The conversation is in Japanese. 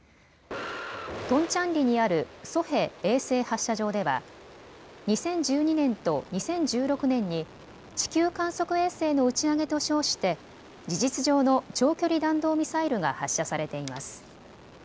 トンチャンリにあるソヘ衛星発射場では２０１２年と２０１６年に地球観測衛星の打ち上げと称して事実上の長距離弾道ミサイルが発射されています。